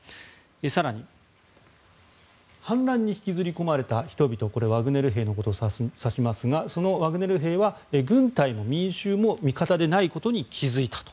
更に、反乱に引きずり込まれた人々これはワグネル兵のことを指しますがそのワグネル兵は軍隊も民衆も味方でないことに気づいた。